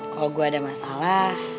kalau gue ada masalah